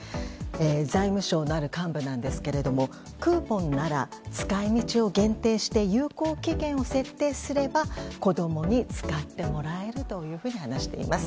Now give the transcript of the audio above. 財務省の、ある幹部ですがクーポンなら使い道を限定して有効期限を設定すれば子供に使ってもらえると話しています。